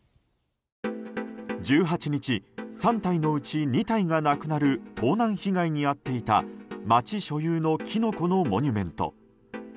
１８日３体のうち２体がなくなる盗難被害に遭っていた町所有のキノコのモニュメント。